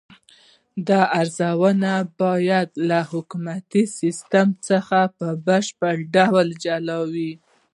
دا روزنه باید له حکومتي سیستم څخه په بشپړ ډول جلا وي.